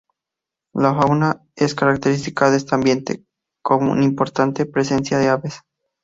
La fauna es característica de este ambiente, con importante presencia de aves.